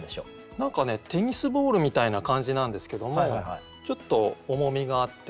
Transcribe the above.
何かねテニスボールみたいな感じなんですけどもちょっと重みがあって。